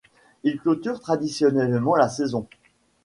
Il clôture traditionnellement la saison.